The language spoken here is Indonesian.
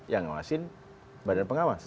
yang ngawasin badan pengawas